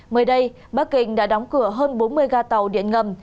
mới đây bắc kinh đã đóng cửa hơn bốn mươi ga tàu điện ngầm